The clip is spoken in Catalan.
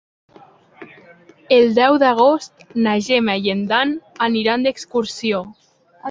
El deu d'agost na Gemma i en Dan aniran d'excursió.